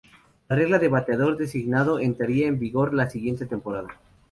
La regla de Bateador designado entraría en vigor la siguiente temporada.